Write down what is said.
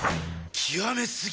極め過ぎ！